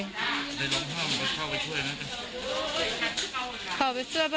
ในโรงภาพมันเข้าไปช่วยนะครับ